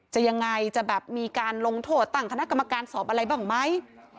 จะยังไงจะแบบมีการลงโทษตั้งคณะกรรมการสอบอะไรบ้างไหม